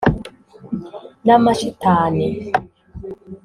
n’amashitani